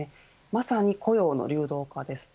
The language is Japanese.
まさに雇用の流動化です。